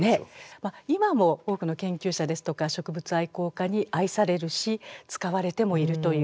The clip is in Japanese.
今も多くの研究者ですとか植物愛好家に愛されるし使われてもいるという。